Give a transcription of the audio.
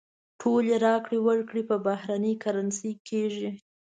ټولې راکړې ورکړې په بهرنۍ کرنسۍ کېږي.